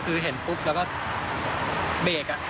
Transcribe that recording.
คือเห็นปุ๊บแล้วก็เบรก